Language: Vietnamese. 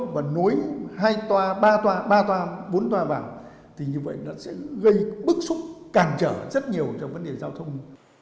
và nối hai toa ba toa ba toa bốn toa vào thì như vậy nó sẽ gây bức xúc cản trở rất nhiều trong vấn đề giao thông